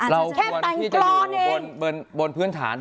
เราควรพูดถึงไปบนพื้นฐาน